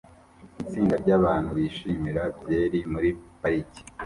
Itsinda ryabantu bishimira byeri muri parike